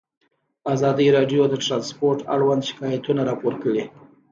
ازادي راډیو د ترانسپورټ اړوند شکایتونه راپور کړي.